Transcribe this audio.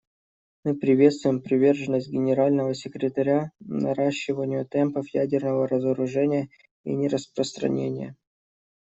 Мы приветствуем приверженность Генерального секретаря наращиванию темпов ядерного разоружения и нераспространения.